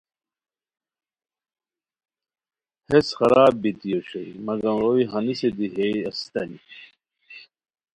ہیس خراب بیتی اوشوئے مگم روئے ہنیسے دی ہئے اسیتانی